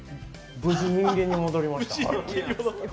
無事、人間に戻りました。